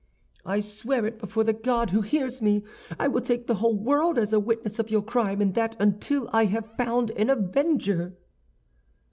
"'I swear it before the God who hears me. I will take the whole world as a witness of your crime, and that until I have found an avenger.